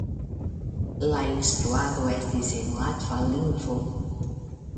La instruado estis en latva lingvo.